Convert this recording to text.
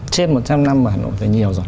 trên một trăm linh năm mà hà nội phải nhiều rồi